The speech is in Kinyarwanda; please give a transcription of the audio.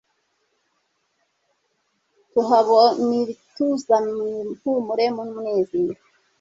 tuhabonibituzamr ihumure numunezero